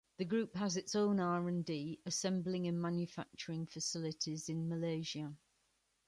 The group has its own R and D, assembling and manufacturing facilities in Malaysia.